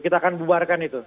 kita akan bubarkan itu